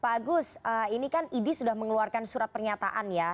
pak agus ini kan idi sudah mengeluarkan surat pernyataan ya